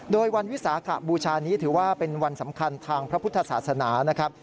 โดยวันวิสาขบูชานี้ถือว่าเป็นวันสำคัญทางพระพุทธศาสนานะครับ